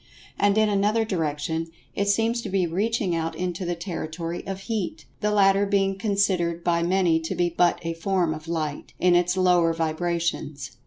And, in another direction, it seems to be reaching out into the territory of Heat, the latter being considered by many to be but a form of Light, in its lower vibrations.